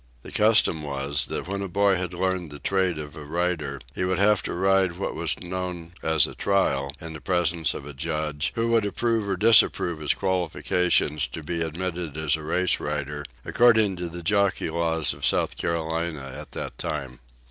The custom was, that when a boy had learned the trade of a rider, he would have to ride what was known as a trial, in the presence of a judge, who would approve or disapprove his qualifications to be admitted as a race rider, according to the jockey laws of South Carolina at that time.